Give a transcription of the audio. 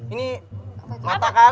ini mata kan